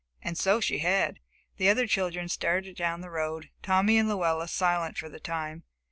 And so she had. The other children started down the road, Tommy and Luella silent for the time.